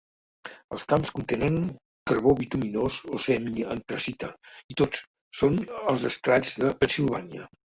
Els camps contenen carbó bituminós o semi-antracita, i tots són als estrats de Pennsilvània.